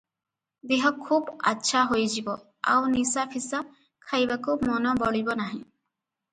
ଦେହ ଖୁବ୍ ଆଚ୍ଛା ହୋଇଯିବ, ଆଉ ନିଶାଫିସା ଖାଇବାକୁ ମନ ବଳିବ ନାହିଁ ।